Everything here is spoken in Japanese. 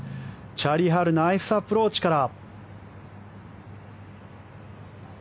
チャーリー・ハルナイスアプローチから。